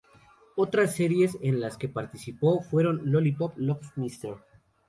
Otras series en las que participó fueron "Lollipop Loves Mr.